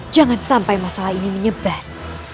jangan sampai masalah ini menyebar